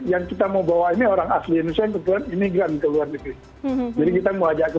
yang kita mau bawa ini orang asli indonesia yang kebanyakan imigran ke luar negeri